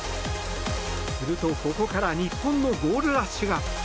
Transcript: するとここから日本のゴールラッシュが。